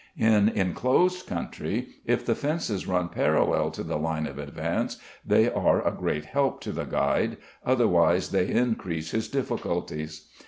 In enclosed country if the fences run parallel to the line of advance they are a great help to the guide, otherwise they increase his difficulties.